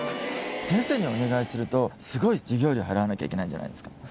先生にお願いすると、すごい授業料払わなきゃいけないんじゃないですか？